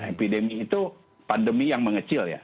epidemi itu pandemi yang mengecil ya